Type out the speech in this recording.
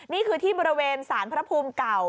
นี่คือที่บริเวณสารพระภูมิเก่า